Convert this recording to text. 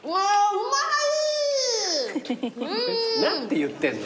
うまはい！